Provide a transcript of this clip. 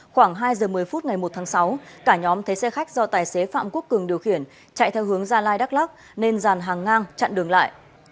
khoảng hai giờ một mươi phút ngày một tháng sáu cả nhóm thấy xe khách do tài xế phạm quốc cường điều khiển chạy theo hướng gia lai đắk lắc nên dàn hàng ngang chặn đường lại